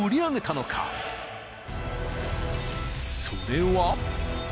［それは］